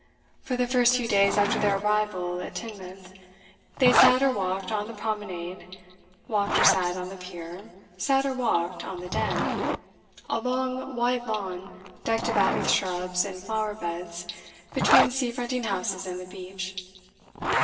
For the first few days after their arrival at Teignmouth, they sat or walked on the promenade, walked or sat on the pier, sat or walked on the Den a long, wide lawn, decked about with shrubs and flower beds, between sea fronting houses and the beach.